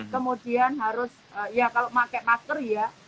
kemudian harus ya kalau pakai masker ya